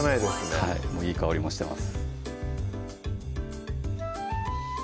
はいもういい香りもしてます